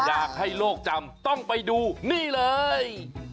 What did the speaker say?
อยากให้โลกจำต้องไปดูนี่เลย